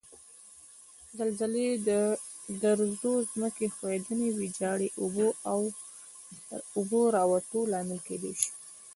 زلزلې د درزو، ځمکې ښویدنې، ویجاړي او اوبو راوتو لامل کېدای شي.